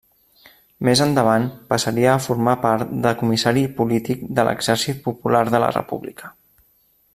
Més endavant passaria a formar part de comissari polític de l'Exèrcit Popular de la República.